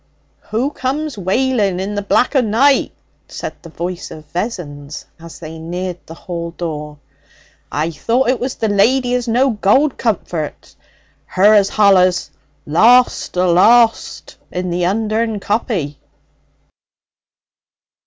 'Who comes wailing in the black o' night?' said the voice of Vessons as they neared the hall door. 'I thought it was the lady as no gold comforts her as hollas "Lost! Alost!" in the Undern Coppy.'